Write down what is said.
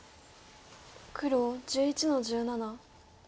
黒１１の十七。